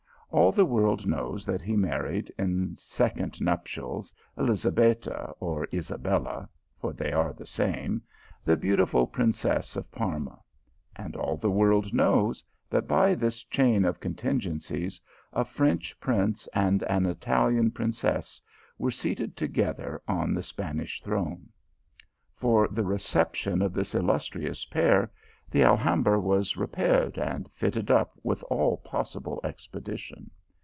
All the world knows that he mar ried, in second nuptials, Elizabetta or Isabella, (for they are the same,) the beautiful princess of Parma ; and all the world knows, that by this chain of con tingencies, a French prince and an Italian princess were seated together on the Spanish throne. For the reception of this illustrious pair, the Alhambra was repaired and fitted up with all possible expedi tion.